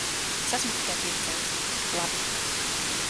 Es esmu tikai pircējs. Labi.